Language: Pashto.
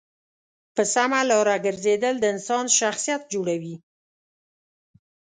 په سمه لاره گرځېدل د انسان شخصیت جوړوي.